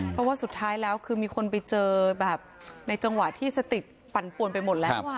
เพราะว่าสุดท้ายแล้วคือมีคนไปเจอแบบในจังหวะที่สติปั่นปวนไปหมดแล้ว